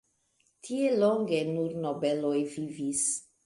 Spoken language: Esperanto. Tie longe nur nobeloj vivis.